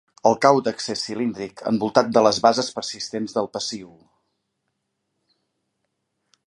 El càudex és cilíndric, envoltat de les bases persistents del pecíol.